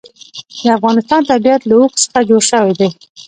د افغانستان طبیعت له اوښ څخه جوړ شوی دی.